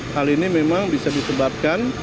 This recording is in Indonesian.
hal ini memang bisa disebabkan